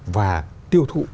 và tiêu thụ